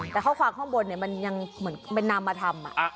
แต่ข้อความข้างบนมันยังเหมือนเป็นนำมาทำ